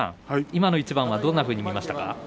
今の一番はどんなふうに見ましたか？